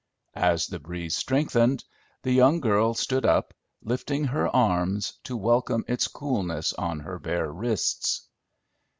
As the breeze strengthened, the young girl stood up, lifting her arms, to welcome its coolness on her bare wrists.